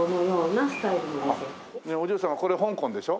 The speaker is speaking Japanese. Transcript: お嬢さんこれ香港でしょ？